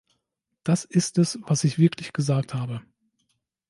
Das ist es, was ich wirklich gesagt habe.